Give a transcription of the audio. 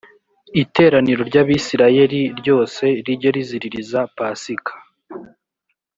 iteraniro ry abisirayeli ryose rijye riziririza pasika